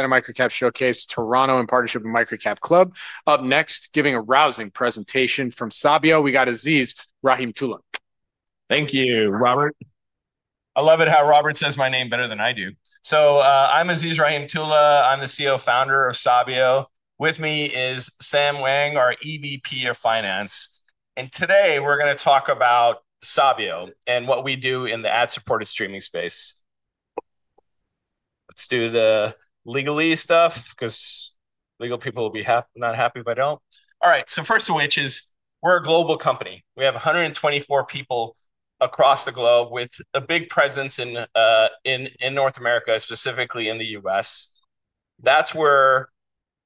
A MicroCap Showcase, Toronto in partnership with MicroCap Club. Up next, giving a rousing presentation from Sabio Holdings, we got Aziz Rahimtoola. Thank you, Robert. I love it how Robert says my name better than I do. I'm Aziz Rahimtoola. I'm the CEO and Founder of Sabio Holdings. With me is Sam Wang, our EVP of Finance. Today we're going to talk about Sabio Holdings and what we do in the ad-supported streaming space. Let's do the legalese stuff because legal people will be not happy if I don't. First of which is we're a global company. We have 124 people across the globe with a big presence in North America, specifically in the U.S. That's where,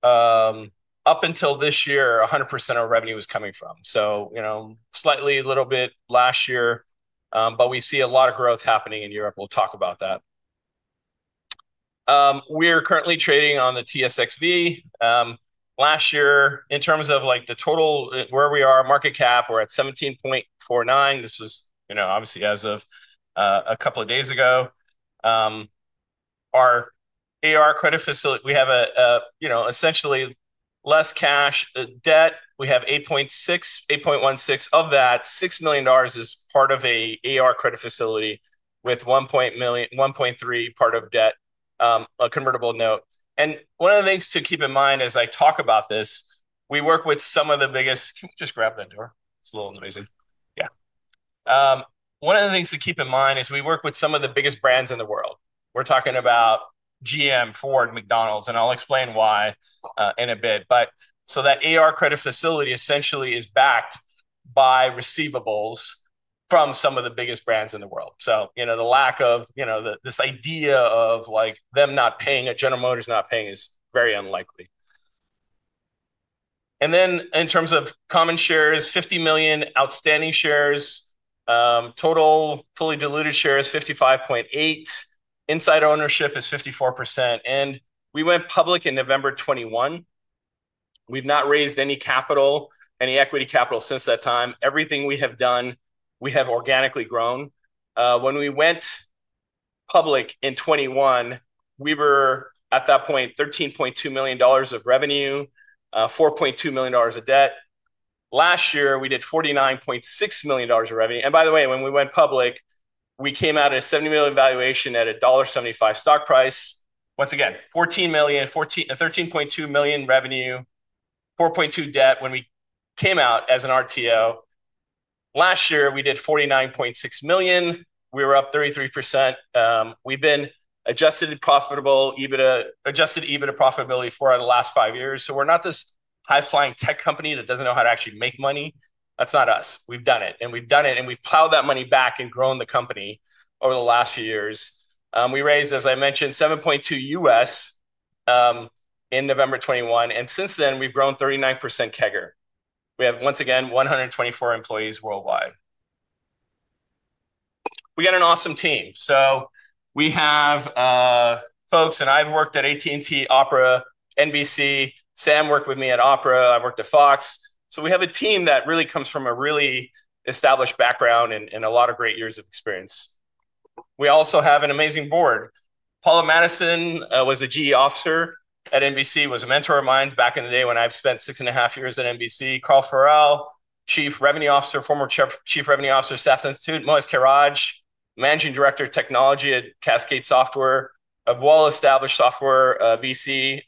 up until this year, 100% of our revenue was coming from. Slightly a little bit last year, but we see a lot of growth happening in Europe. We'll talk about that. We are currently trading on the TSXV. Last year, in terms of the total, where we are market cap, we're at $17.49 million. This was, obviously as of a couple of days ago. Our AR credit facility, we have, essentially less cash debt. We have $8.16 million, of that $6 million is part of an AR credit facility with $1.3 million part of debt, a convertible note. One of the things to keep in mind as I talk about this, we work with some of the biggest... Can we just grab that door? It's a little noisy. One of the things to keep in mind is we work with some of the biggest brands in the world. We're talking about GM Ford, McDonald's, and I'll explain why in a bit. That AR credit facility essentially is backed by receivables from some of the biggest brands in the world. The lack of, this idea of them not paying, a General Motors not paying is very unlikely. In terms of common shares, 50 million outstanding shares, total fully diluted shares 55.8 million, inside ownership is 54%. We went public in November 2021. We've not raised any capital, any equity capital since that time. Everything we have done, we have organically grown. When we went public in 2021, we were at that point, $13.2 million of revenue, $4.2 million of debt. Last year, we did $49.6 million of revenue. By the way, when we went public, we came out at a $70 million valuation at a $1.75 stock price. Once again, $13.2 million revenue, $4.2 million debt when we came out as an RTO. Last year, we did $49.6 million. We were up 33%. We've been adjusted EBITDA profitable, adjusted EBITDA profitability for the last five years. We're not this high-flying tech company that doesn't know how to actually make money. That's not us. We've done it and we've done it and we've plowed that money back and grown the company over the last few years. We raised, as I mentioned, $7.2 million in November 2021. Since then, we've grown 39% CAGR. We have, once again, 124 employees worldwide. We got an awesome team. We have folks, and I've worked at AT&T, Opera, NBC, Sam worked with me at Opera, I've worked at Fox. We have a team that really comes from a really established background and a lot of great years of experience. We also have an amazing board. Paula Madison was a GE officer at NBC, was a mentor of mine back in the day when I spent six and a half years at NBC. Carl Farrell, Chief Revenue Officer, former Chief Revenue Officer at SAS Institute. Moez Karaj, Managing Director of Technology at Cascade Software, a well-established software VC,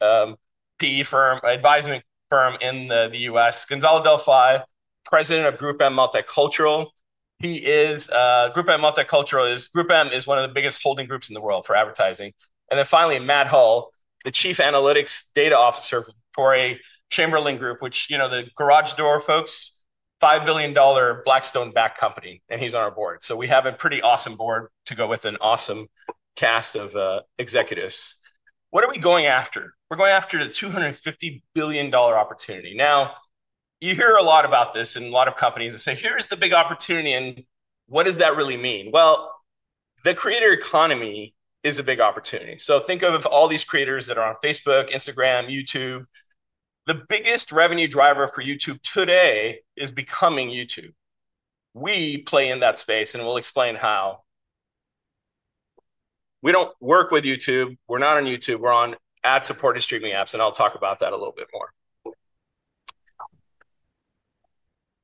PE firm, advisement firm in the U.S. Gonzalo Delfay, President of GroupM Multicultural. He is GroupM Multicultural. GroupM is one of the biggest holding groups in the world for advertising. Finally, Matt Hull, the Chief Analytics Data Officer for Chamberlain Group, which, you know, the garage door folks, $5 billion Blackstone-backed company. He's on our board. We have a pretty awesome board to go with an awesome cast of executives. What are we going after? We're going after the $250 billion opportunity. You hear a lot about this and a lot of companies that say, "Here's the big opportunity." What does that really mean? The creator economy is a big opportunity. Think of all these creators that are on Facebook, Instagram, YouTube. The biggest revenue driver for YouTube today is becoming YouTube. We play in that space and we'll explain how. We don't work with YouTube. We're not on YouTube. We're on ad-supported streaming apps. I'll talk about that a little bit more.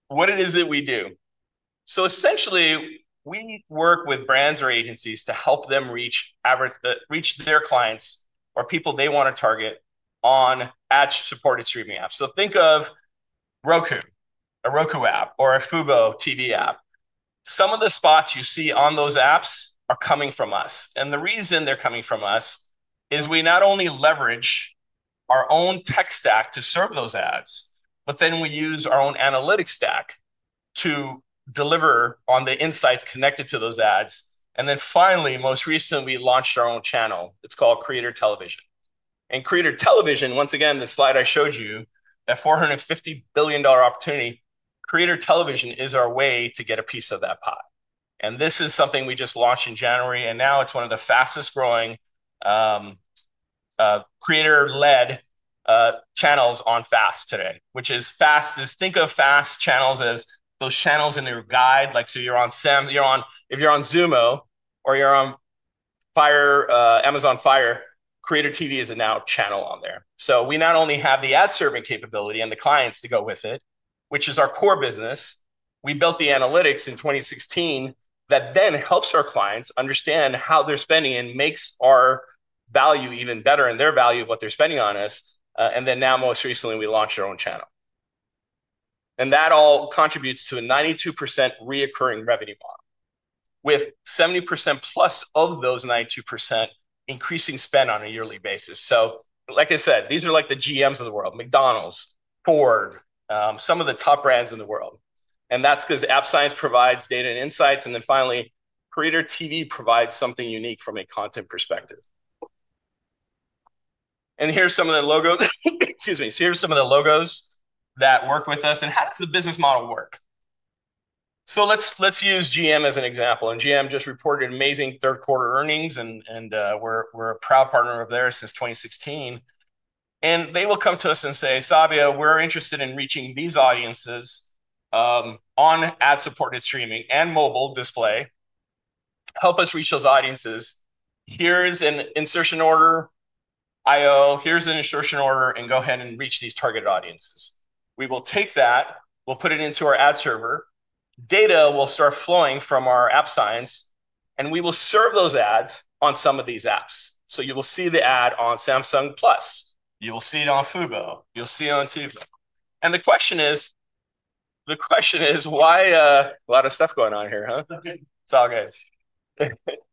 What it is that we do. Essentially, we work with brands or agencies to help them reach their clients or people they want to target on ad-supported streaming apps. Think of Roku, a Roku app, or a FuboTV app. Some of the spots you see on those apps are coming from us. The reason they're coming from us is we not only leverage our own tech stack to serve those ads, but then we use our own analytics stack to deliver on the insights connected to those ads. Most recently, we launched our own channel. It's called Creator Television. Creator Television, once again, the slide I showed you, that $450 billion opportunity, Creator Television is our way to get a piece of that pot. This is something we just launched in January. Now it's one of the fastest growing creator-led channels on FAST today, which is FAST. Think of FAST channels as those channels in your guide. Like, you're on Sam's, you're on, if you're on Xumo or you're on Amazon Fire, Creator TV is a now channel on there. We not only have the ad-serving capability and the clients to go with it, which is our core business, we built the analytics in 2016 that then helps our clients understand how they're spending and makes our value even better and their value of what they're spending on us. Most recently, we launched our own channel. That all contributes to a 92% recurring revenue model with 70%+ of those 92% increasing spend on a yearly basis. Like I said, these are like the GMs of the world, McDonald's, Ford, some of the top brands in the world. That's because App Science provides data and insights. Finally, Creator TV provides something unique from a content perspective. Here's some of the logos. Excuse me. Here's some of the logos that work with us. How does the business model work? Let's use GM as an example. GM just reported amazing third-quarter earnings. We're a proud partner of theirs since 2016. They will come to us and say, "Sabio, we're interested in reaching these audiences on ad-supported streaming and mobile display. Help us reach those audiences. Here's an insertion order. IO. Here's an insertion order. Go ahead and reach these target audiences." We will take that. We'll put it into our ad server. Data will start flowing from our App Science. We will serve those ads on some of these apps. You will see the ad on Samsung Plus. You'll see it on Fubo. You'll see it on Tubi. The question is, the question is why... A lot of stuff going on here, huh? It's all good.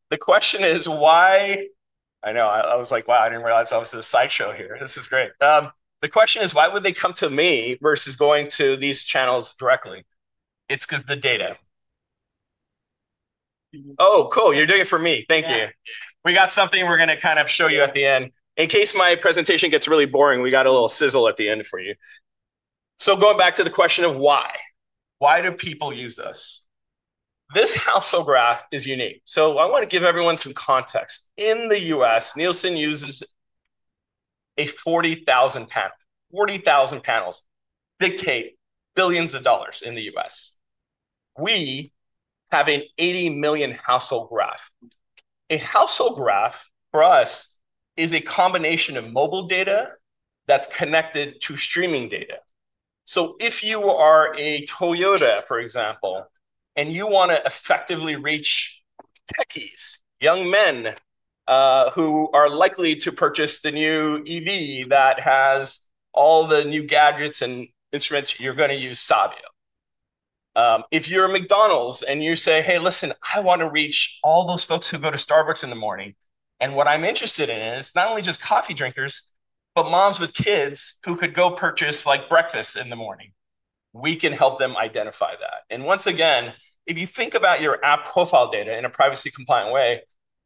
The question is why... I know. I was like, wow, I didn't realize I was at a sideshow here. This is great. The question is, why would they come to me versus going to these channels directly? It's because of the data. Oh, cool. You're doing it for me. Thank you. We got something we're going to kind of show you at the end. In case my presentation gets really boring, we got a little sizzle at the end for you. Going back to the question of why. Why do people use us? This Household Graph is unique. I want to give everyone some context. In the U.S., Nielsen uses a 40,000 panel. 40,000 panels dictate billions of dollars in the U.S. We have an 80 million Household Graph. A Household Graph for us is a combination of mobile data that's connected to streaming data. If you are a Toyota, for example, and you want to effectively reach techies, young men who are likely to purchase the new EV that has all the new gadgets and instruments, you're going to use Sabio. If you're a McDonald’s and you say, "Hey, listen, I want to reach all those folks who go to Starbucks in the morning." What I'm interested in is not only just coffee drinkers, but moms with kids who could go purchase like breakfast in the morning. We can help them identify that. Once again, if you think about your app profile data in a privacy-compliant way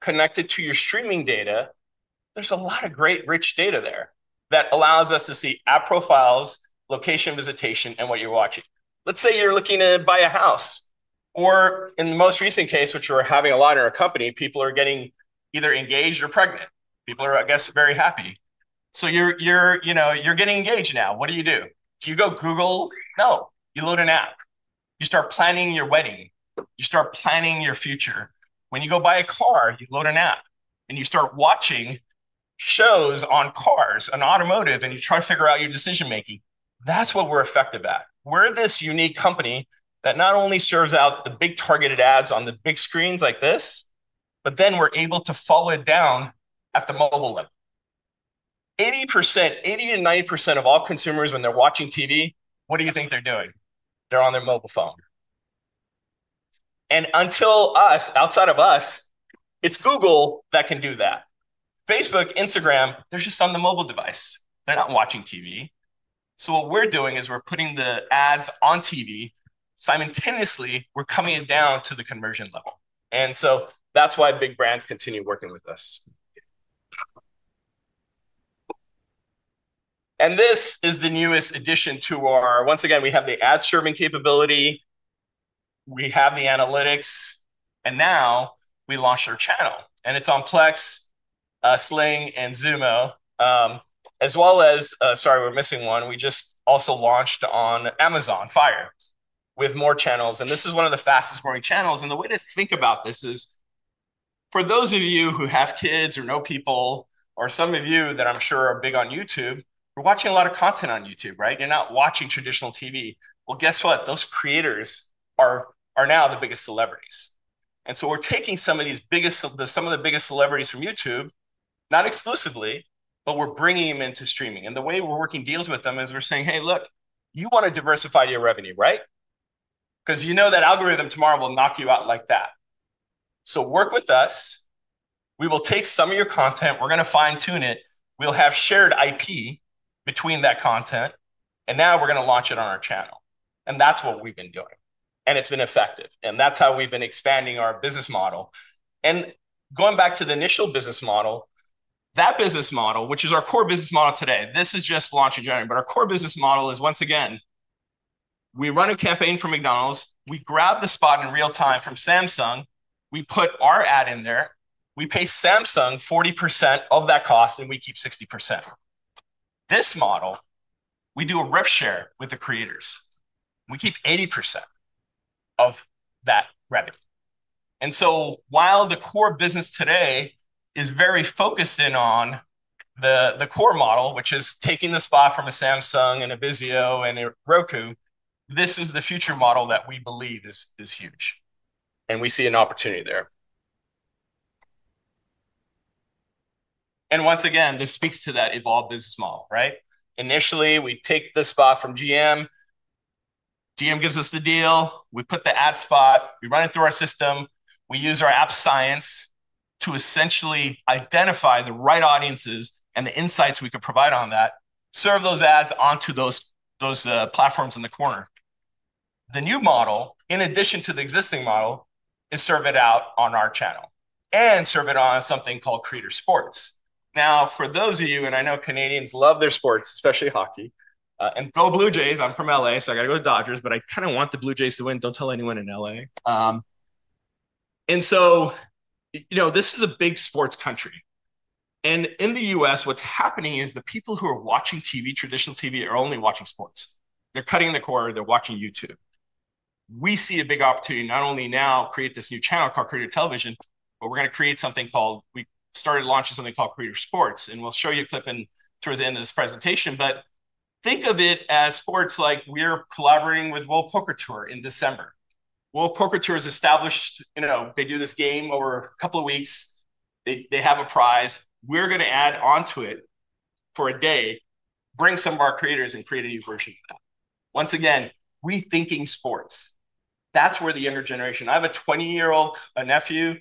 connected to your streaming data, there's a lot of great rich data there that allows us to see app profiles, location visitation, and what you're watching. Let's say you're looking to buy a house or in the most recent case, which we're having a lot in our company, people are getting either engaged or pregnant. People are, I guess, very happy. You're getting engaged now. What do you do? Do you go Google? No. You load an app. You start planning your wedding. You start planning your future. When you go buy a car, you load an app and you start watching shows on cars, on automotive, and you try to figure out your decision-making. That's what we're effective at. We're this unique company that not only serves out the big targeted ads on the big screens like this, but then we're able to follow it down at the mobile level. 80%, 80%-90% of all consumers, when they're watching TV, what do you think they're doing? They're on their mobile phone. Until us, outside of us, it's Google that can do that. Facebook, Instagram, they're just on the mobile device. They're not watching TV. What we're doing is we're putting the ads on TV simultaneously, we're coming it down to the conversion level that's why big brands continue working with us. This is the newest addition to our, once again, we have the ad-serving capability. We have the analytics. Now we launched our channel. It's on Plex, Sling, and Xumo, as well as, sorry, we're missing one. We just also launched on Amazon Fire with more channels. This is one of the fastest growing channels. The way to think about this is for those of you who have kids or know people or some of you that I'm sure are big on YouTube, you're watching a lot of content on YouTube, right? You're not watching traditional TV. Guess what? Those creators are now the biggest celebrities. We're taking some of the biggest celebrities from YouTube, not exclusively, but we're bringing them into streaming. The way we're working deals with them is we're saying, "Hey, look, you want to diversify your revenue, right? Because you know that algorithm tomorrow will knock you out like that. Work with us. We will take some of your content. We're going to fine-tune it. We'll have shared IP between that content. Now we're going to launch it on our channel." That's what we've been doing, and it's been effective. That's how we've been expanding our business model. Going back to the initial business model, that business model, which is our core business model today, this is just launching January. Our core business model is, once again, we run a campaign for McDonald's. We grab the spot in real time from Samsung. We put our ad in there. We pay Samsung 40% of that cost and we keep 60%. This model, we do a rev share with the creators. We keep 80% of that revenue. While the core business today is very focused in on the core model, which is taking the spot from a Samsung and a Vizio and a Roku, this is the future model that we believe is huge. We see an opportunity there. Once again, this speaks to that evolved business model, right? Initially, we take the spot from General Motors. General Motors gives us the deal. We put the ad spot. We run it through our system. We use our App Science to essentially identify the right audiences and the insights we could provide on that, serve those ads onto those platforms in the corner. The new model, in addition to the existing model, is serve it out on our channel and serve it on something called Creator Sports. For those of you, and I know Canadians love their sports, especially hockey, and go Blue Jays. I'm from LA, so I got to go to the Dodgers, but I kind of want the Blue Jays to win. Don't tell anyone in LA. This is a big sports country. In the U.S., what's happening is the people who are watching TV, traditional TV, are only watching sports. They're cutting the cord. They're watching YouTube. We see a big opportunity not only now to create this new channel called Creator Television, but we're going to create something called, we started launching something called Creator Sports. We'll show you a clip towards the end of this presentation. Think of it as sports like we're collaborating with World Poker Tour in December. World Poker Tour is established. You know, they do this game over a couple of weeks. They have a prize. We're going to add onto it for a day, bring some of our creators and create a new version of that. Once again, rethinking sports. That's where the younger generation, I have a 20-year-old nephew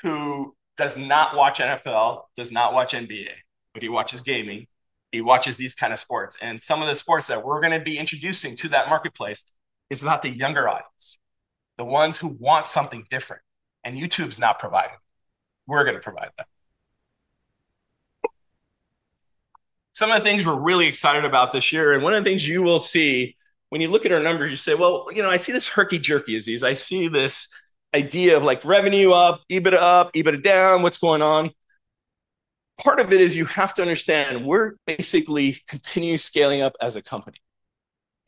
who does not watch NFL, does not watch NBA, but he watches gaming. He watches these kinds of sports. Some of the sports that we're going to be introducing to that marketplace is about the younger audience, the ones who want something different. YouTube's not providing. We're going to provide that. Some of the things we're really excited about this year, and one of the things you will see when you look at our numbers, you say, you know, I see this herky-jerky Aziz. I see this idea of like revenue up, EBITDA up, EBITDA down. What's going on? Part of it is you have to understand we're basically continuing scaling up as a company.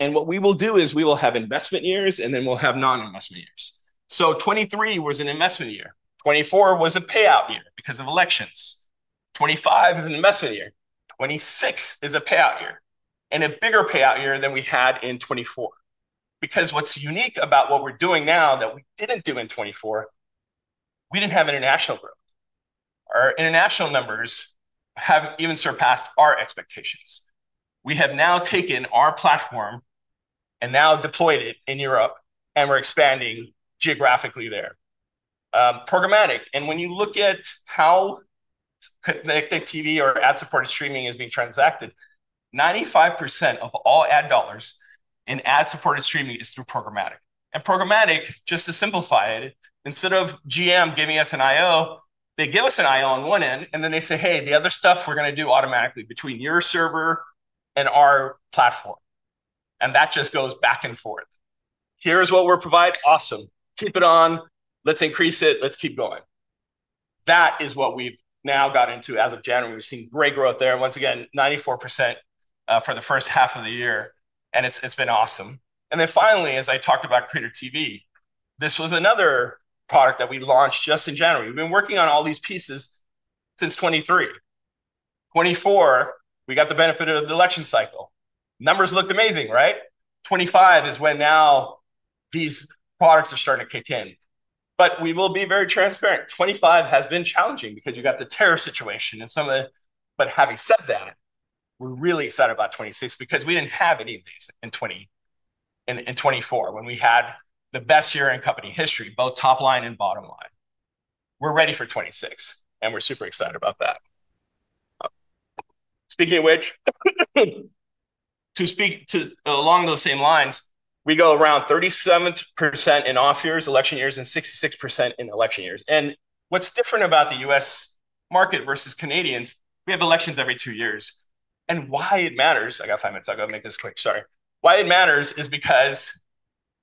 What we will do is we will have investment years and then we'll have non-investment years. 2023 was an investment year. 2024 was a payout year because of elections. 2025 is an investment year. 2026 is a payout year. A bigger payout year than we had in 2024. What's unique about what we're doing now that we didn't do in 2024, we didn't have international growth. Our international numbers have even surpassed our expectations. We have now taken our platform and now deployed it in Europe. We're expanding geographically there. Programmatic. When you look at how Connected TV or ad-supported streaming is being transacted, 95% of all ad dollars in ad-supported streaming is through programmatic. Programmatic, just to simplify it, instead of GM giving us an IO, they give us an IO on one end and then they say, hey, the other stuff we're going to do automatically between your server and our platform. That just goes back and forth. Here is what we're providing. Awesome. Keep it on. Let's increase it. Let's keep going. That is what we've now got into as of January. We've seen great growth there. Once again, 94% for the first half of the year. It's been awesome. Finally, as I talked about Creator TV, this was another product that we launched just in January. We've been working on all these pieces since 2023. In 2024, we got the benefit of the election cycle. Numbers looked amazing, right? 2025 is when now these products are starting to kick in. We will be very transparent. 2025 has been challenging because you got the terror situation and some of the... Having said that, we're really excited about 2026 because we didn't have any of these in 2024 when we had the best year in company history, both top line and bottom line. We're ready for 2026, and we're super excited about that. Speaking of which, to speak along those same lines, we go around 37% in off years and 66% in election years. What's different about the U.S. market versus Canadians, we have elections every two years. Why it matters, I got five minutes. I'll make this quick. Sorry. Why it matters is because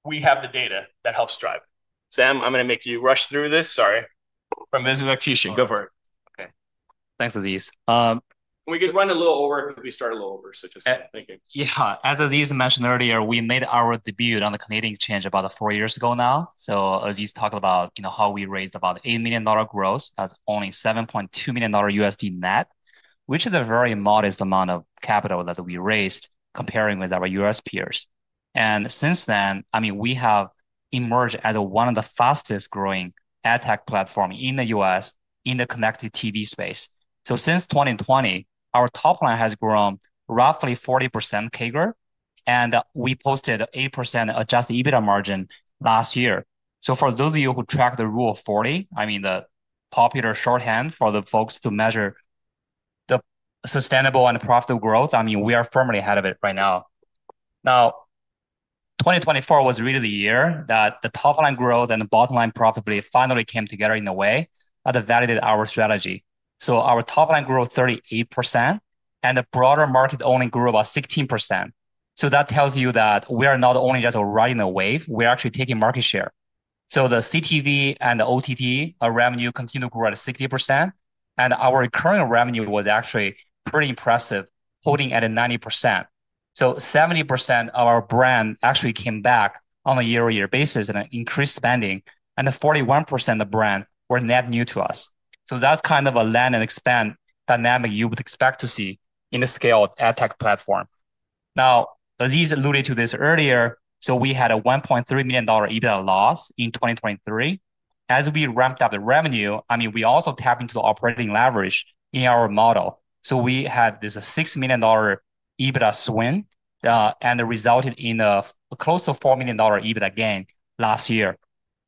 we have the data that helps drive it. Sam, I'm going to make you rush through this. Sorry. From business execution, go for it. OK. Thanks, Aziz. We could run a little over if we start a little over. Just thank you. Yeah. As Aziz mentioned earlier, we made our debut on the Canadian exchange about four years ago now. Aziz talked about how we raised about $8 million gross. That's only $7.2 million USD net, which is a very modest amount of capital that we raised comparing with our U.S. peers. Since then, we have emerged as one of the fastest growing ad tech platforms in the U.S. in the Connected TV space. Since 2020, our top line has grown roughly 40% CAGR, and we posted 8% adjusted EBITDA margin last year. For those of you who track the rule of 40, the popular shorthand for folks to measure sustainable and profitable growth, we are firmly ahead of it right now. Now, 2024 was really the year that the top line growth and the bottom line profitability finally came together in a way that validated our strategy. Our top line grew 38%, and the broader market only grew about 16%. That tells you that we are not only just riding the wave. We're actually taking market share. The CTV and the OTT revenue continued to grow at 60%, and our recurring revenue was actually pretty impressive, holding at 90%. 70% of our brand actually came back on a year-over-year basis and increased spending, and 41% of the brand were net new to us. That's kind of a land and expand dynamic you would expect to see in the scaled ad tech platform. Aziz alluded to this earlier. We had a $1.3 million EBITDA loss in 2023. As we ramped up the revenue, we also tapped into the operating leverage in our model. We had this $6 million EBITDA swing and resulted in a close to $4 million EBITDA gain last year.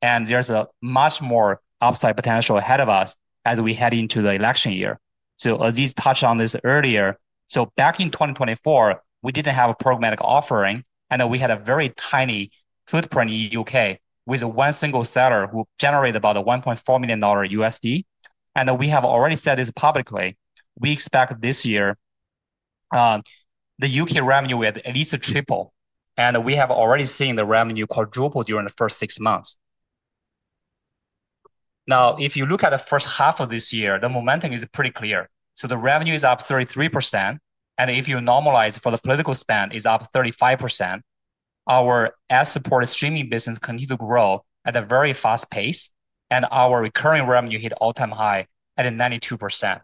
There's much more upside potential ahead of us as we head into the election year. Aziz touched on this earlier. Back in 2024, we didn't have a programmatic offering, and we had a very tiny footprint in the U.K. with one single seller who generated about $1.4 million USD. We have already said this publicly. We expect this year the U.K. revenue at least to triple, and we have already seen the revenue quadruple during the first six months. If you look at the first half of this year, the momentum is pretty clear. The revenue is up 33%, and if you normalize for the political spend, it's up 35%. Our ad-supported streaming business continued to grow at a very fast pace, and our recurring revenue hit all-time high at 92%.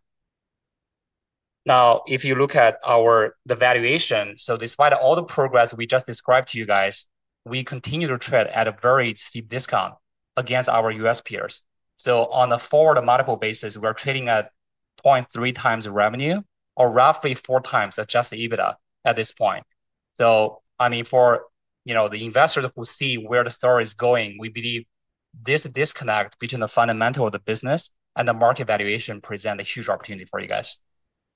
Now, if you look at the valuation, despite all the progress we just described to you guys, we continue to trade at a very steep discount against our U.S. peers. On a forward multiple basis, we're trading at 0.3x revenue or roughly 4 times adjusted EBITDA at this point. For the investors who see where the story is going, we believe this disconnect between the fundamental of the business and the market valuation presents a huge opportunity for you guys.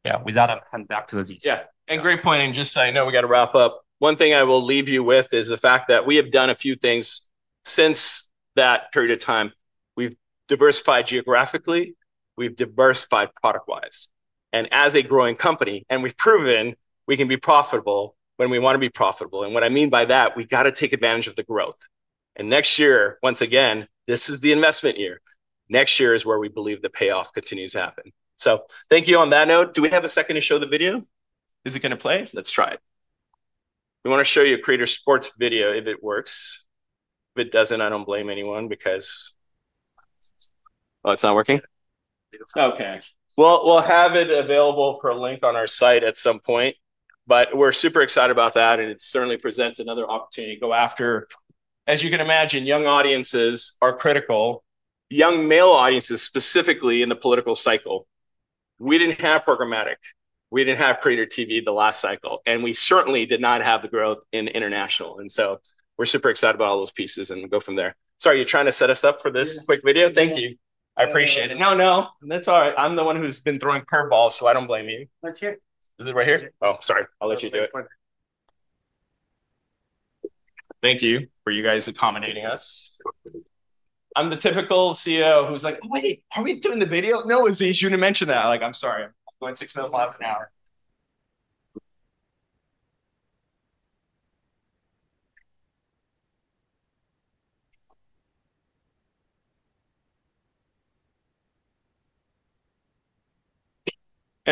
Yeah, with that, I'll hand back to Aziz. Yeah. Great point. Just so I know we got to wrap up, one thing I will leave you with is the fact that we have done a few things since that period of time. We've diversified geographically. We've diversified product-wise. As a growing company, we've proven we can be profitable when we want to be profitable. What I mean by that, we got to take advantage of the growth. Next year, once again, this is the investment year. Next year is where we believe the payoff continues to happen. Thank you on that note. Do we have a second to show the video? Is it going to play? Let's try it. We want to show you a Creator Sports video if it works. If it doesn't, I don't blame anyone because... Oh, it's not working? OK. We'll have it available per link on our site at some point. We're super excited about that. It certainly presents another opportunity to go after, as you can imagine, young audiences are critical, young male audiences specifically in the political cycle. We didn't have programmatic. We didn't have Creator TV the last cycle. We certainly did not have the growth in international. We're super excited about all those pieces and go from there. Sorry, you're trying to set us up for this quick video? Thank you. I appreciate it. No, no. That's all right. I'm the one who's been throwing curveballs, so I don't blame you. That's here. Is it right here? Sorry, I'll let you do it. Thank you for you guys accommodating us. I'm the typical CEO who's like, "Oh, wait, are we doing the video?" No, Aziz, you didn't mention that. I'm sorry. I'm going six miles an hour.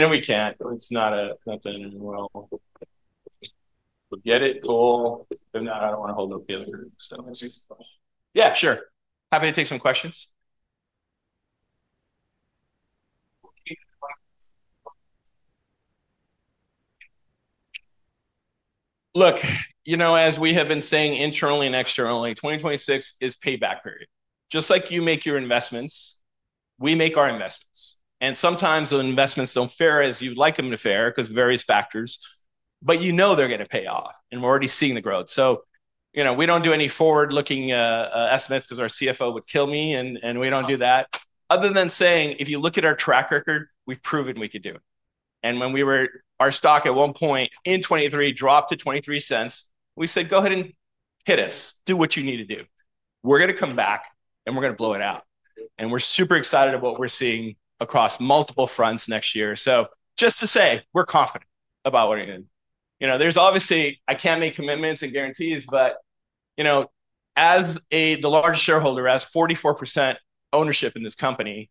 We can't. It's not a... Forget it, cool. If not, I don't want to hold no feeling. Yeah, sure. Happy to take some questions. Look, as we have been saying internally and externally, 2026 is payback period. Just like you make your investments, we make our investments. Sometimes the investments don't fare as you'd like them to fare because of various factors, but you know they're going to pay off. We're already seeing the growth. We don't do any forward-looking estimates because our CFO would kill me. We don't do that, other than saying, if you look at our track record, we've proven we could do it. When our stock at one point in 2023 dropped to $0.23, we said, go ahead and hit us. Do what you need to do. We're going to come back and we're going to blow it out. We're super excited about what we're seeing across multiple fronts next year. Just to say, we're confident about what we're doing. Obviously, I can't make commitments and guarantees. As the largest shareholder, as 44% ownership in this company,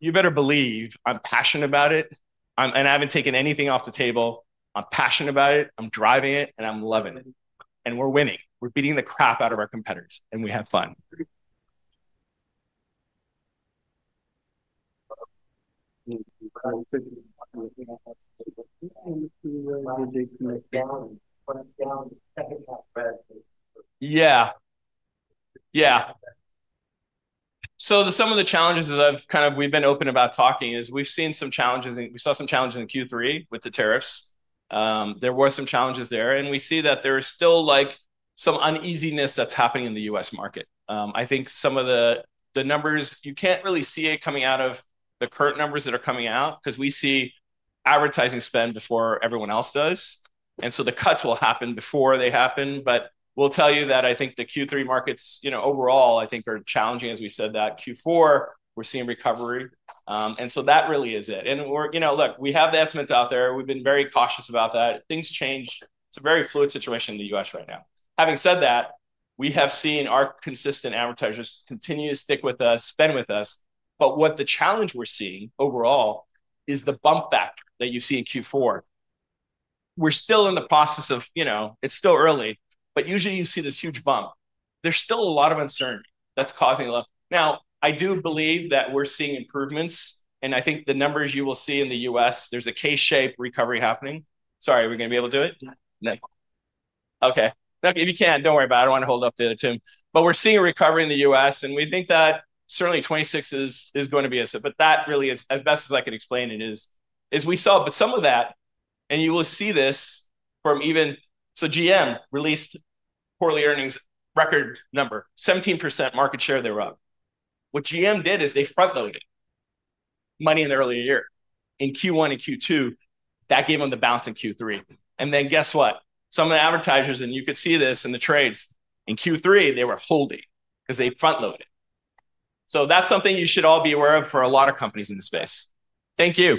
you better believe I'm passionate about it. I haven't taken anything off the table. I'm passionate about it. I'm driving it. I'm loving it. We're winning. We're beating the crap out of our competitors. We have fun. Some of the challenges we've been open about talking is we've seen some challenges. We saw some challenges in Q3 with the tariffs. There were some challenges there. We see that there is still some uneasiness that's happening in the U.S. market. I think some of the numbers, you can't really see it coming out of the current numbers that are coming out because we see advertising spend before everyone else does. The cuts will happen before they happen. We'll tell you that I think the Q3 markets overall, I think, are challenging. As we said, Q4, we're seeing recovery. That really is it. We have the estimates out there. We've been very cautious about that. Things change. It's a very fluid situation in the U.S. right now. Having said that, we have seen our consistent advertisers continue to stick with us, spend with us. The challenge we're seeing overall is the bump factor that you see in Q4. We're still in the process of, it's still early. Usually, you see this huge bump. There's still a lot of uncertainty that's causing a lot. I do believe that we're seeing improvements. I think the numbers you will see in the U.S., there's a K-shaped recovery happening. Sorry, are we going to be able to do it? No. OK. If you can, don't worry about it. I don't want to hold up to it too. We're seeing a recovery in the U.S., and we think that certainly 2026 is going to be us. That really is, as best as I could explain it, we saw some of that. You will see this from even... GM released quarterly earnings, record number, 17% market share they're up. What GM did is they front-loaded money in the early year in Q1 and Q2. That gave them the bounce in Q3. Guess what? Some of the advertisers, and you could see this in the trades, in Q3, they were holding because they front-loaded. That's something you should all be aware of for a lot of companies in the space. Thank you.